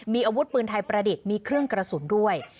มีอาวุธปืนไทยประดิษฐ์มีเครื่องกระสุนด้วย